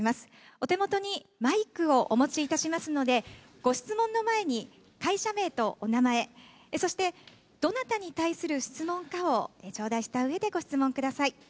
お手元にマイクをお持ちいたしますので、ご質問の前に会社名とお名前、そして、どなたに対する質問かを頂戴したうえでご質問ください。